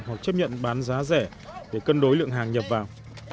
hoặc chấp nhận bán giá rẻ để cân đối lượng hàng nhập vào